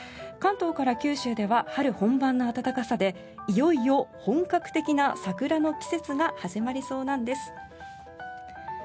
関東から九州では春本番の暖かさでいよいよ本格的な桜の季節が始まりそうなんです。